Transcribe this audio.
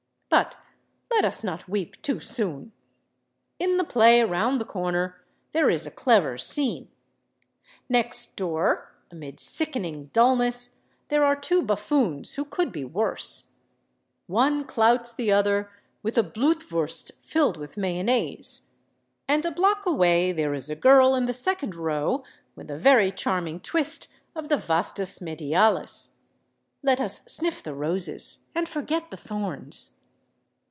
But let us not weep too soon. In the play around the corner there is a clever scene. Next door, amid sickening dullness, there are two buffoons who could be worse: one clouts the other with a Blutwurst filled with mayonnaise. And a block away there is a girl in the second row with a very charming twist of the vastus medialis. Let us sniff the roses and forget the thorns!